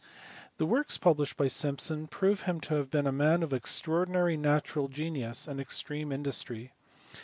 The works published by Simpson prove him to have been a man of extraordinary natural genius and extreme industry.